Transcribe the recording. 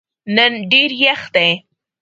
نن ډېر یخ دی.